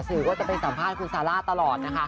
สื่อก็จะไปสัมภาษณ์คุณซาร่าตลอดนะคะ